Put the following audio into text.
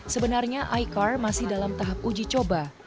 sebenarnya icar masih dalam tahap uji coba